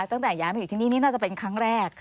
ตั้งแต่ย้ายมาอยู่ที่นี่นี่น่าจะเป็นครั้งแรก